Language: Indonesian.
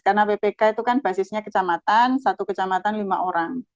karena ppk itu kan basisnya kecamatan satu kecamatan lima orang